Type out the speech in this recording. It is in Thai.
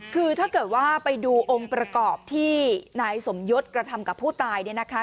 คือถ้าเกิดว่าไปดูองค์ประกอบที่นายสมยศกระทำกับผู้ตายเนี่ยนะคะ